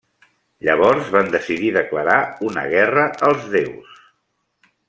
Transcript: Llavors van decidir declarar una guerra als déus.